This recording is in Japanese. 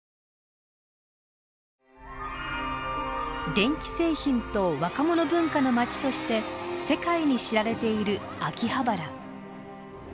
電気製品と若者文化の街として世界に知られている秋葉原。